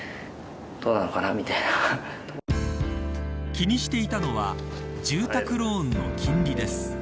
気にしていたのは住宅ローンの金利です。